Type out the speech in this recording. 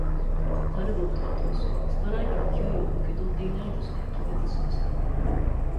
タルボットは当初、ストライキの給与を受け取っていないとして、拒絶しました。